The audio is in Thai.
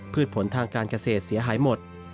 ผลทางการเกษตรเสียหายหมด